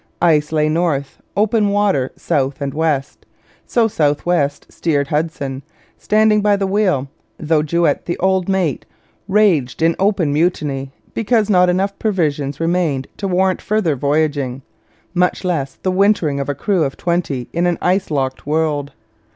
Ice lay north, open water south and west; and so south west steered Hudson, standing by the wheel, though Juet, the old mate, raged in open mutiny because not enough provisions remained to warrant further voyaging, much less the wintering of a crew of twenty in an ice locked world.